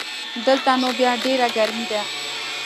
دلته نو بیا ډېره ګرمي ده